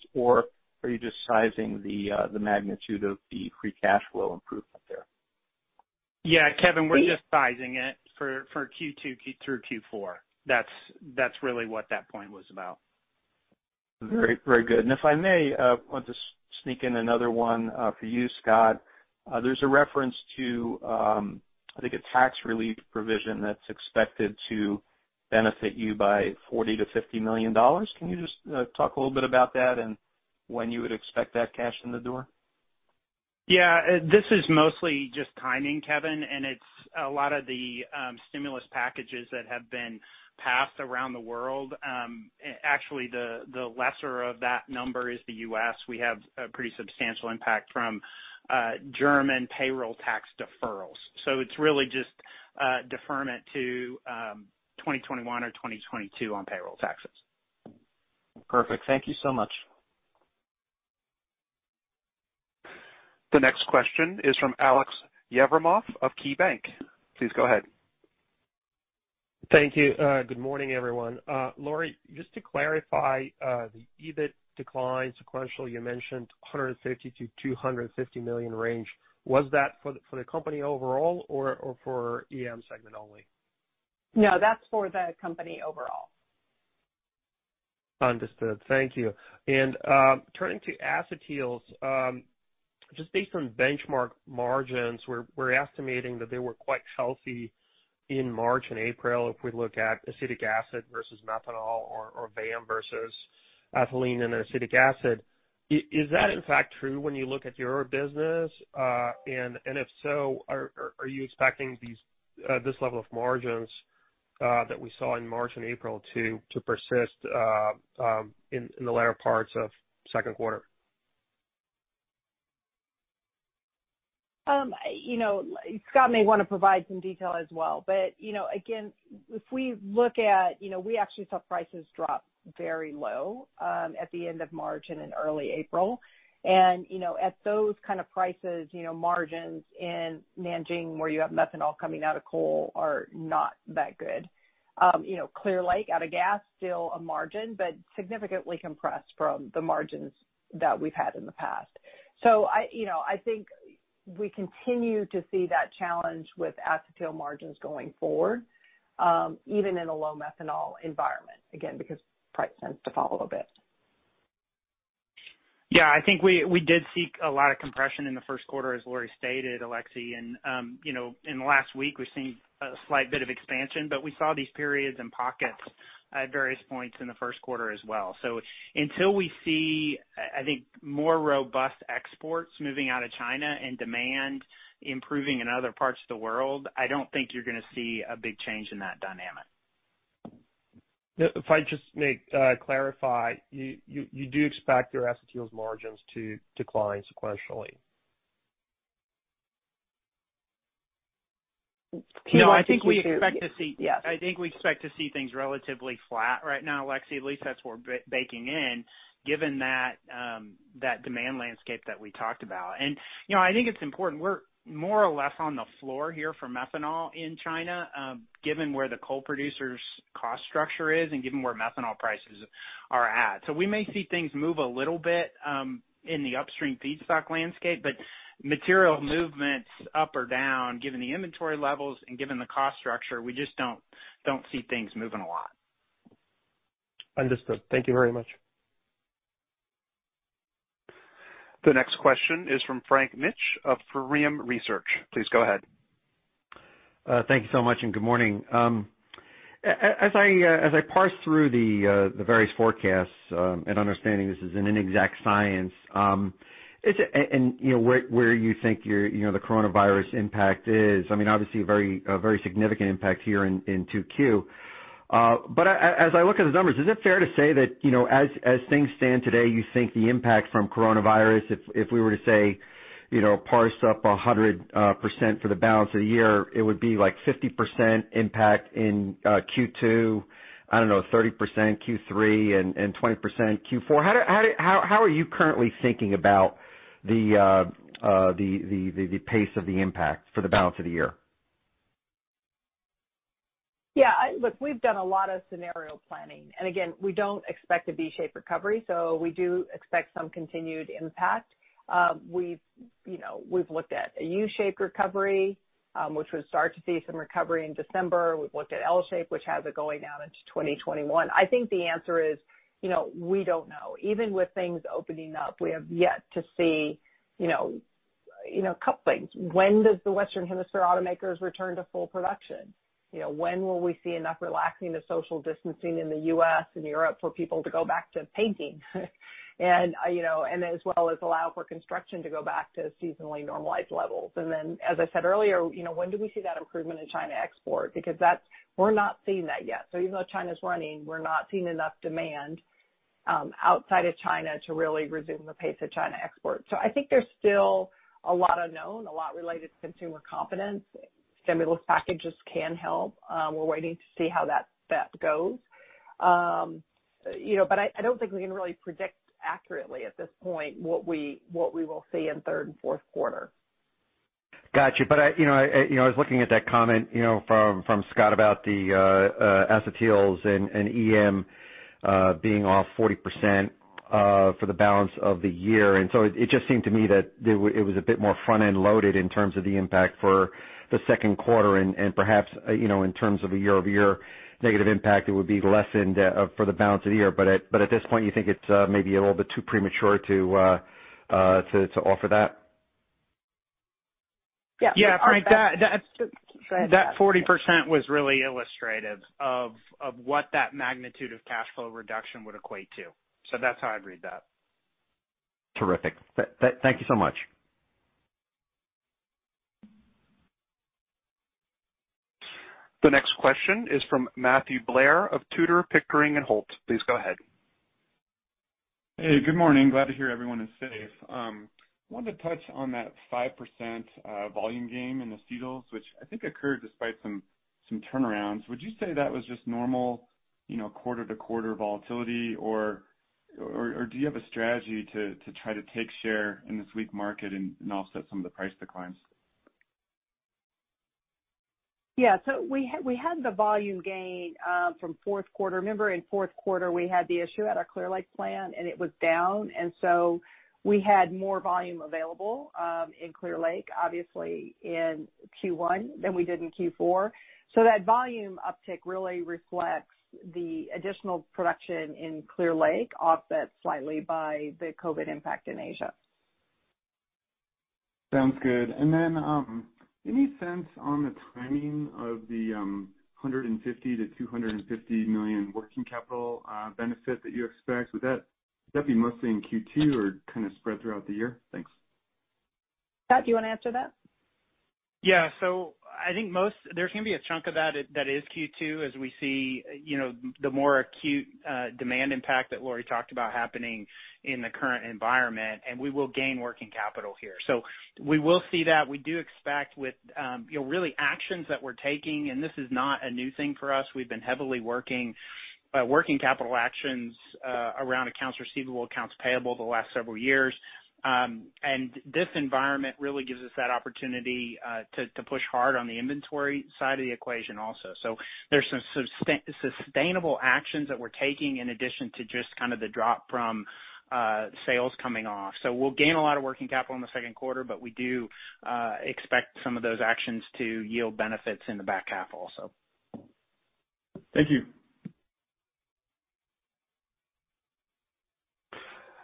or are you just sizing the magnitude of the free cash flow improvement there? Yeah, Kevin, we're just sizing it for Q2 through Q4. That's really what that point was about. Very good. If I may, I want to sneak in another one for you, Scott. There's a reference to, I think, a tax relief provision that's expected to benefit you by $40 million-$50 million. Can you just talk a little bit about that and when you would expect that cash in the door? Yeah. This is mostly just timing, Kevin. It's a lot of the stimulus packages that have been passed around the world. Actually, the lesser of that number is the U.S. We have a pretty substantial impact from German payroll tax deferrals. It's really just deferment to 2021 or 2022 on payroll taxes. Perfect. Thank you so much. The next question is from Alex Yefremov of KeyBank. Please go ahead. Thank you. Good morning, everyone. Lori, just to clarify, the EBIT decline sequential, you mentioned $150 million-$250 million range. Was that for the company overall or for EM segment only? No, that's for the company overall. Understood. Thank you. Turning to Acetyls, just based on benchmark margins, we're estimating that they were quite healthy in March and April if we look at acetic acid versus methanol or VAM versus ethylene and acetic acid. Is that in fact true when you look at your business? If so, are you expecting this level of margins that we saw in March and April to persist in the latter parts of second quarter? You know, Scott may want to provide some detail as well. Again, if we look at, we actually saw prices drop very low at the end of March and in early April. At those kind of prices, margins in Nanjing where you have methanol coming out of coal are not that good. Clear Lake out of gas, still a margin, but significantly compressed from the margins that we've had in the past. I think we continue to see that challenge with acetyl margins going forward, even in a low methanol environment, again, because price tends to follow a bit. Yeah. I think we did seek a lot of compression in the first quarter, as Lori stated, Aleksey. In the last week, we've seen a slight bit of expansion, but we saw these periods and pockets at various points in the first quarter as well. Until we see, I think, more robust exports moving out of China and demand improving in other parts of the world, I don't think you're going to see a big change in that dynamic. If I just may clarify, you do expect your acetyls margins to decline sequentially? He wants you to- No, I think we expect to see. Yes. I think we expect to see things relatively flat right now, Aleksey. At least that's what we're baking in, given that demand landscape that we talked about. I think it's important, we're more or less on the floor here for methanol in China, given where the coal producers' cost structure is and given where methanol prices are at. We may see things move a little bit in the upstream feedstock landscape, but material movements up or down, given the inventory levels and given the cost structure, we just don't see things moving a lot. Understood. Thank you very much. The next question is from Frank Mitsch of Fermium Research. Please go ahead. Thank you so much. Good morning. As I parse through the various forecasts, understanding this is an inexact science, where you think the coronavirus impact is, obviously a very significant impact here in 2Q. As I look at the numbers, is it fair to say that as things stand today, you think the impact from coronavirus, if we were to say, parse up 100% for the balance of the year, it would be 50% impact in Q2, I don't know, 30% Q3, and 20% Q4? How are you currently thinking about the pace of the impact for the balance of the year? Yeah. Look, we've done a lot of scenario planning. Again, we don't expect a V-shaped recovery, so we do expect some continued impact. We've looked at a U-shaped recovery, which would start to see some recovery in December. We've looked at L-shape, which has it going out into 2021. I think the answer is, we don't know. Even with things opening up, we have yet to see a couple things. When does the Western Hemisphere automakers return to full production? When will we see enough relaxing of social distancing in the U.S. and Europe for people to go back to painting? As well as allow for construction to go back to seasonally normalized levels. Then, as I said earlier, when do we see that improvement in China export? We're not seeing that yet. Even though China's running, we're not seeing enough demand outside of China to really resume the pace of China export. I think there's still a lot unknown, a lot related to consumer confidence. Stimulus packages can help. We're waiting to see how that goes. I don't think we can really predict accurately at this point what we will see in third and fourth quarter. Got you. I was looking at that comment from Scott about the acetyls and EM being off 40% for the balance of the year. It just seemed to me that it was a bit more front-end loaded in terms of the impact for the second quarter and perhaps in terms of a year-over-year negative impact, it would be lessened for the balance of the year. At this point, you think it's maybe a little bit too premature to offer that? Yeah. Yeah, Frank, that 40% was really illustrative of what that magnitude of cash flow reduction would equate to. That's how I'd read that. Terrific. Thank you so much. The next question is from Matthew Blair of Tudor, Pickering, Holt. Please go ahead. Hey, good morning. Glad to hear everyone is safe. Wanted to touch on that 5% volume gain in Acetyls, which I think occurred despite some turnarounds. Would you say that was just normal quarter-to-quarter volatility, or do you have a strategy to try to take share in this weak market and offset some of the price declines? Yeah. We had the volume gain from fourth quarter. Remember in fourth quarter, we had the issue at our Clear Lake plant, and it was down. We had more volume available in Clear Lake, obviously in Q1 than we did in Q4, so that volume uptick really reflects the additional production in Clear Lake, offset slightly by the COVID impact in Asia. Sounds good. Any sense on the timing of the $150 million-$250 million working capital benefit that you expect? Would that be mostly in Q2 or kind of spread throughout the year? Thanks. Scott, do you want to answer that? Yeah. I think there's going to be a chunk of that is Q2, as we see the more acute demand impact that Lori talked about happening in the current environment, and we will gain working capital here. We will see that. We do expect with really actions that we're taking, and this is not a new thing for us. We've been heavily working capital actions around accounts receivable, accounts payable the last several years. This environment really gives us that opportunity to push hard on the inventory side of the equation also. There's some sustainable actions that we're taking in addition to just kind of the drop from sales coming off. We'll gain a lot of working capital in the second quarter, but we do expect some of those actions to yield benefits in the back half also. Thank you.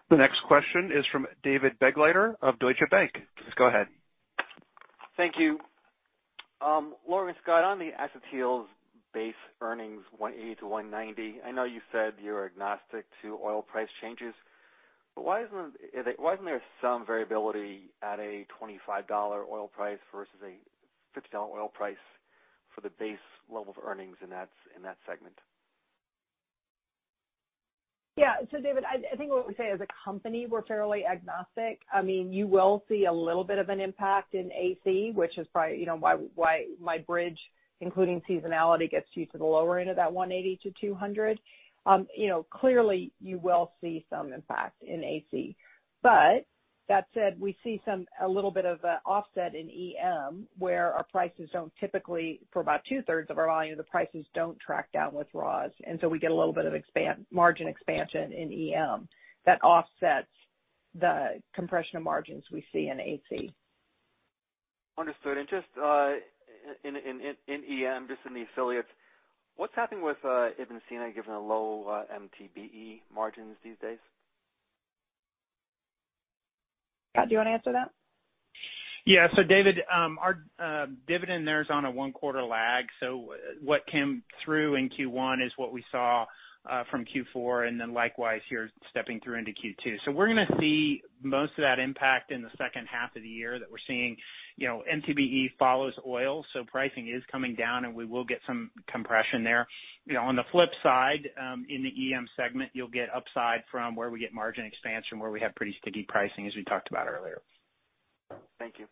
The next question is from David Begleiter of Deutsche Bank. Please go ahead. Thank you. Lori, Scott, on the Acetyls base earnings $180-$190, I know you said you're agnostic to oil price changes, but why isn't there some variability at a $25 oil price versus a $50 oil price for the base level of earnings in that segment? Yeah. David, I think what we say as a company, we're fairly agnostic. You will see a little bit of an impact in AC, which is probably why my bridge, including seasonality, gets you to the lower end of that 180-200. Clearly, you will see some impact in AC. That said, we see a little bit of an offset in EM, where our prices don't typically, for about two-thirds of our volume, the prices don't track down with raws. We get a little bit of margin expansion in EM that offsets the compression of margins we see in AC. Understood. Just in EM, just in the affiliates, what's happening with Ibn Sina given the low MTBE margins these days? Scott, do you want to answer that? David, our dividend there is on a one-quarter lag. What came through in Q1 is what we saw from Q4, likewise here stepping through into Q2. We're going to see most of that impact in the second half of the year that we're seeing. MTBE follows oil, pricing is coming down, we will get some compression there. On the flip side, in the EM segment, you'll get upside from where we get margin expansion, where we have pretty sticky pricing as we talked about earlier. Thank you.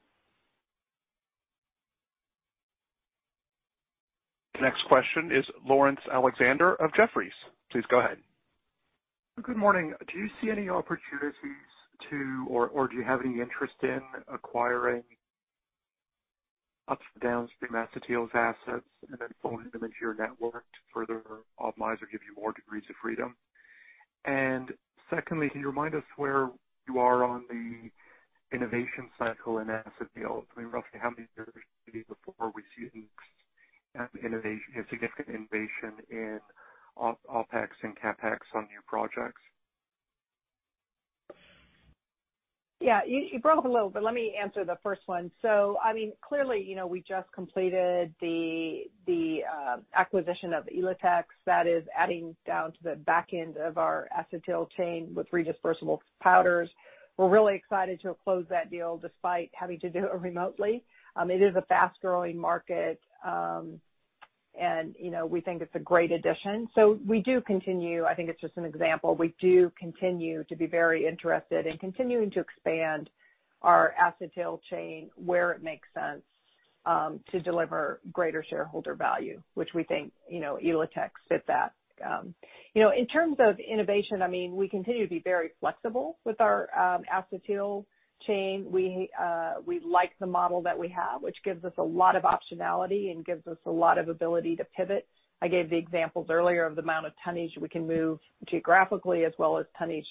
The next question is Laurence Alexander of Jefferies. Please go ahead. Good morning. Do you see any opportunities to, or do you have any interest in acquiring ups and downs through acetyls assets and then pulling them into your network to further optimize or give you more degrees of freedom? Secondly, can you remind us where you are on the innovation cycle in asset deals? I mean, roughly how many years do you see before we see a significant innovation in OpEx and CapEx on new projects? Yeah. You broke up a little, but let me answer the first one. Clearly, we just completed the acquisition of Elotex. That is adding down to the back end of our Acetyl Chain with redispersible powders. We're really excited to have closed that deal despite having to do it remotely. It is a fast-growing market, and we think it's a great addition. We do continue. I think it's just an example. We do continue to be very interested in continuing to expand our Acetyl Chain where it makes sense. To deliver greater shareholder value, which we think, Elotex fit that. In terms of innovation, we continue to be very flexible with our Acetyl Chain. We like the model that we have, which gives us a lot of optionality and gives us a lot of ability to pivot. I gave the examples earlier of the amount of tonnage we can move geographically as well as tonnage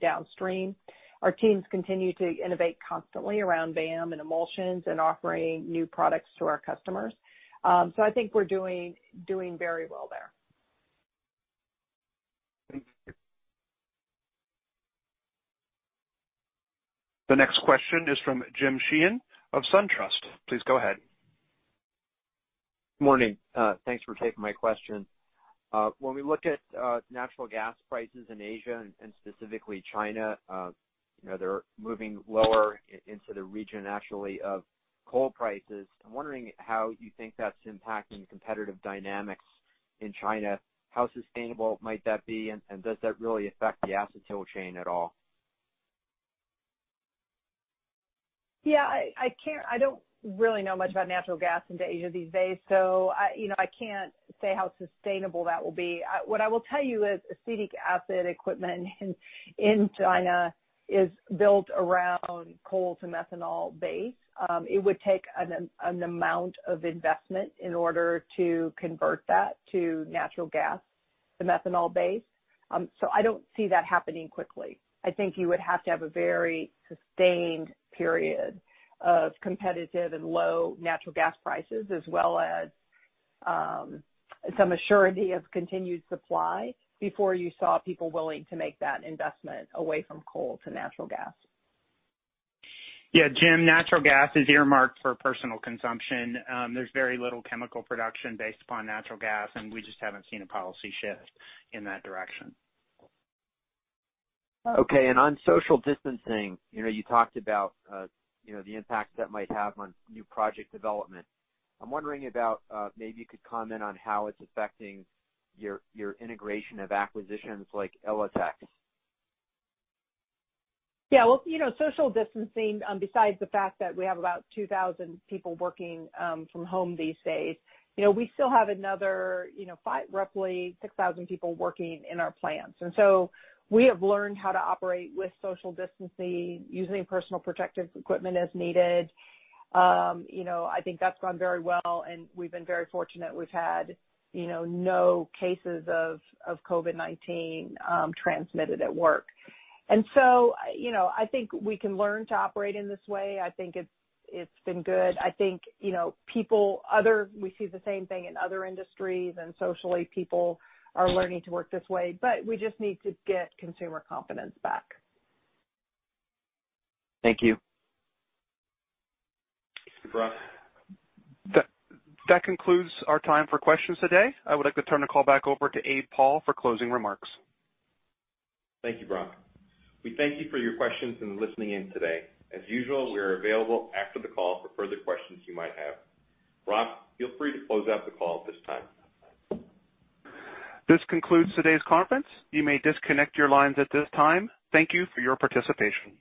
downstream. Our teams continue to innovate constantly around VAM and emulsions and offering new products to our customers. I think we're doing very well there. Thank you. The next question is from Jim Sheehan of SunTrust. Please go ahead. Morning. Thanks for taking my question. When we look at natural gas prices in Asia and specifically China, they're moving lower into the region actually of coal prices. I'm wondering how you think that's impacting competitive dynamics in China, how sustainable might that be, and does that really affect the Acetyl Chain at all? Yeah, I don't really know much about natural gas into Asia these days, so I can't say how sustainable that will be. What I will tell you is acetic acid equipment in China is built around coal to methanol base. It would take an amount of investment in order to convert that to natural gas to methanol base. I don't see that happening quickly. I think you would have to have a very sustained period of competitive and low natural gas prices as well as some surety of continued supply before you saw people willing to make that investment away from coal to natural gas. Yeah, Jim, natural gas is earmarked for personal consumption. There's very little chemical production based upon natural gas, and we just haven't seen a policy shift in that direction. Okay. On social distancing, you talked about the impact that might have on new project development. I'm wondering about, maybe you could comment on how it's affecting your integration of acquisitions like Elotex. Yeah. Well, social distancing, besides the fact that we have about 2,000 people working from home these days, we still have another roughly 6,000 people working in our plants. We have learned how to operate with social distancing, using personal protective equipment as needed. I think that's gone very well, and we've been very fortunate. We've had no cases of COVID-19 transmitted at work. And so, I think we can learn to operate in this way. I think it's been good. I think we see the same thing in other industries and socially, people are learning to work this way. We just need to get consumer confidence back. Thank you. Brock. That concludes our time for questions today. I would like to turn the call back over to Abe Paul for closing remarks. Thank you, Brock. We thank you for your questions and listening in today. As usual, we are available after the call for further questions you might have. Brock, feel free to close out the call at this time. This concludes today's conference. You may disconnect your lines at this time. Thank you for your participation.